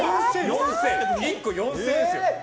１個４０００円ですよ。